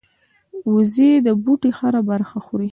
وزې د بوټي هره برخه خوري